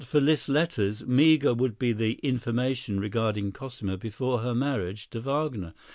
] Were it not for Liszt's letters, meagre would be the information regarding Cosima before her marriage to Wagner.